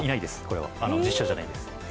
これは実写じゃないです。